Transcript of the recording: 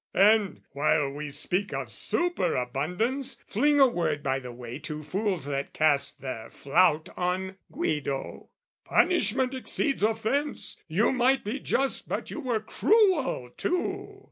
And, while we speak of superabundance, fling A word by the way to fools that cast their flout On Guido "Punishment exceeds offence: "You might be just but you were cruel too!"